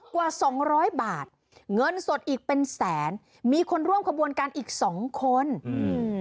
กว่าสองร้อยบาทเงินสดอีกเป็นแสนมีคนร่วมขบวนการอีกสองคนอืม